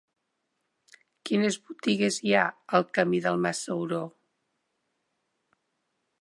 Quines botigues hi ha al camí del Mas Sauró?